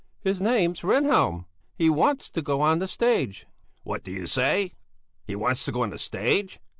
"His name's Rehnhjelm! He wants to go on the stage." "What do you say? He wants to go on the stage?